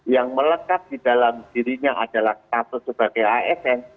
yang melekap di dalam dirinya adalah kasus sebagai asn